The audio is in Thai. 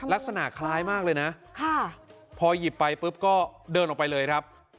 ลักษณะคล้ายมากเลยนะพอหยิบไปปุ๊บก็เดินออกไปเลยครับ